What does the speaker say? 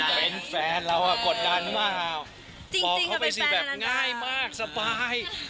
เป็นแฟนเราอะกดดันละเหรอค่ะว้าวบอกเขาไปสิแบบง่ายมากสบาย